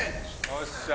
よっしゃ！